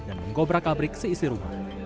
dan menggobra kabrik seisi rumah